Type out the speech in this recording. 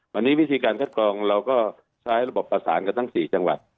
วันนี้วิธีการคัดกรองเราก็ใช้ระบบประสานกันทั้ง๔จังหวัด